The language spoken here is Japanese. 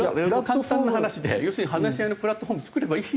簡単な話で要するに話し合いのプラットフォームを作ればいい。